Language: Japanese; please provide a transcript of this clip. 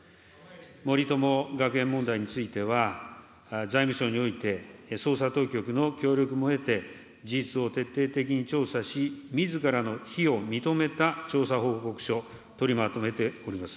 森友学園問題については、財務省において、捜査当局の協力も得て、事実を徹底的に調査し、みずからの非を認めた調査報告書、取りまとめております。